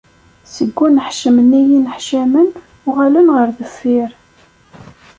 Seg uneḥcem nni i nneḥcamen, uɣalen ɣer deffir.